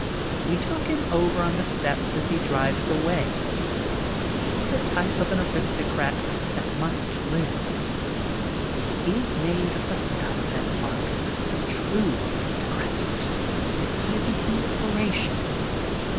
We talk him over on the steps as he drives away. He is the type of an aristocrat that must live. He is made of the stuff that marks the true aristocrat. He is an inspiration.